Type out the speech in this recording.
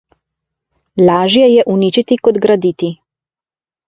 Lažje je uničiti kot graditi.